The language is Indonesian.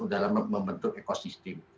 dalam membentuk ekosistem